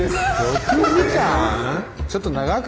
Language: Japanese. ６時間！